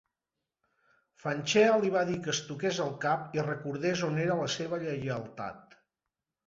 Fanchea li va dir que es toqués el cap i recordés on era la seva lleialtat.